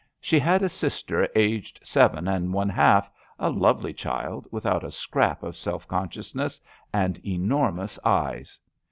She had a sister aged seven and one half — a lovely child, without a scrap of self consciousness, and enor mous eyes.